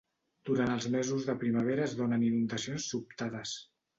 Durant els mesos de primavera es donen inundacions sobtades.